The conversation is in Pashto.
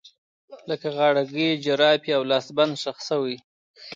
لکه غاړکۍ، جرابې او لاسبند ښخ شوي